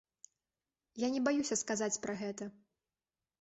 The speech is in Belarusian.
Я не баюся сказаць пра гэта.